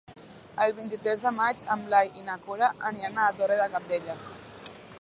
El vint-i-tres de maig en Blai i na Cora aniran a la Torre de Cabdella.